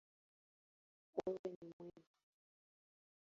Wewe ni mwema